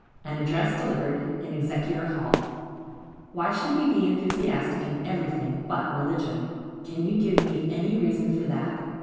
AN ADDRESS DELIVERED IN EXETER HALL. Why should we be enthusiastic in everything but religion? Can you give me any reason for that?